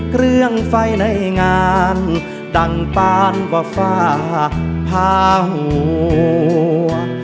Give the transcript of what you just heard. เครื่องไฟในงานดังปานกว่าฝ้าพาหัว